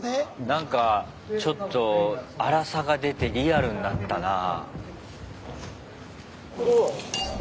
なんかちょっとあらさが出てリアルになったなぁ。